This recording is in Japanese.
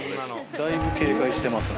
だいぶ警戒してますね